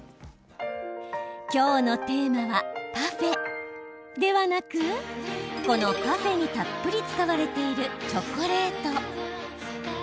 今日のテーマはパフェではなく、このパフェにたっぷり使われているチョコレート。